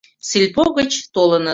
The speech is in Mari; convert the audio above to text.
Сельпо гыч толыныт.